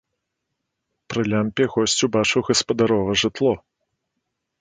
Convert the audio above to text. Пры лямпе госць убачыў гаспадарова жытло.